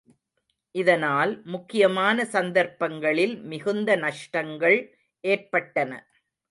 இதனால் முக்கியமான சந்தர்ப்பங்களில் மிகுந்த நஷ்டங்கள் ஏற்பட்டன.